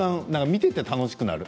見ていて楽しくなる。